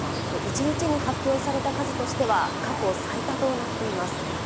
１日に発表された数としては、過去最多となっています。